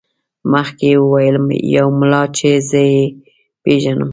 مخکې یې وویل یو ملا چې زه یې پېژنم.